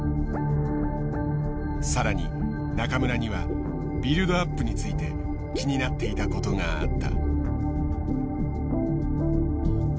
更に中村にはビルドアップについて気になっていたことがあった。